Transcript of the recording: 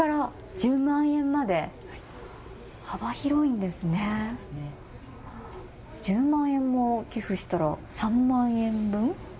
１０万円も寄付したら３万円分？